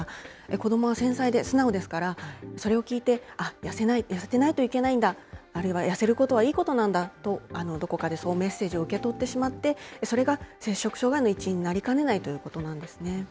子どもは繊細で素直ですから、それを聞いて、あっ、痩せてないといけないんだ、あるいは痩せることはいいことなんだと、どこかでそうメッセージを受け取ってしまって、それが摂食障害の一因になりかねないということなんですね。